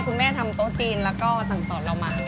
คุณแม่ทำโต๊ะจีนแล้วก็สั่งสอนเรามา